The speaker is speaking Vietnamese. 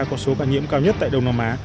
có số ca nhiễm cao nhất tại đông nam á